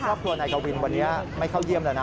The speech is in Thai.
ก็เพราะว่านายกวินวันนี้ไม่เข้าเยี่ยมแล้วนะ